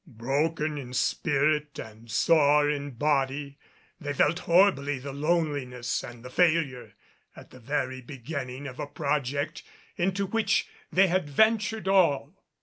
Broken in spirit and sore in body, they felt horribly the loneliness and the failure at the very beginning of a project into which they had ventured all.